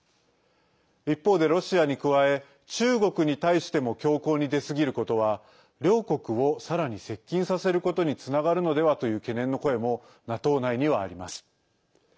一方でロシアに加え中国に対しても強硬に出すぎることは両国をさらに接近させることにつながるのではという懸念の声もＮＡＴＯ内にはあります。